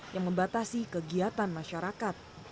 yang membatasi kegiatan masyarakat